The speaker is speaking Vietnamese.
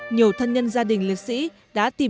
nhiều thân nhân gia đình liệt sĩ đã tìm